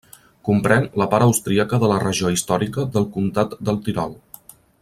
Comprèn la part austríaca de la regió històrica del comtat del Tirol.